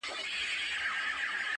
o خېرات دي وسه، د مړو دي ښه په مه سه٫